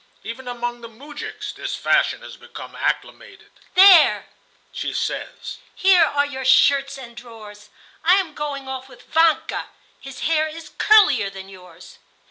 Even among the moujiks this fashion has become acclimated. 'There,' she says, 'here are your shirts and drawers. I am going off with Vanka. His hair is curlier than yours.